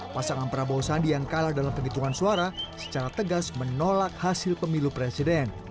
pasangan prabowo sandi yang kalah dalam penghitungan suara secara tegas menolak hasil pemilu presiden